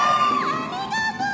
ありがとう！